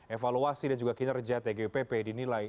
evaluasi dan juga kinerja tgupp dinilai